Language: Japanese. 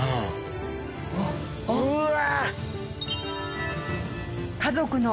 うわ！うわ！